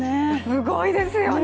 すごいですよね。